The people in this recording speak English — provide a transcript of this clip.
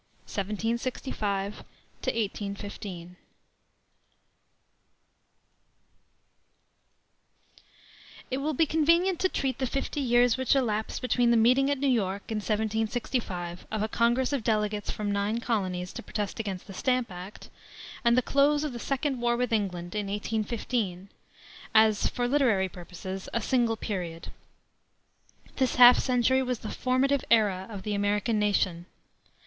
1765 1815. It will be convenient to treat the fifty years which elapsed between the meeting at New York, in 1765, of a Congress of delegates from nine colonies, to protest against the Stamp Act, and the close of the second war with England, in 1815, as, for literary purposes, a single period. This half century was the formative era of the American nation.